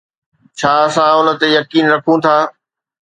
ڇا اسان ان تي يقين رکون ٿا؟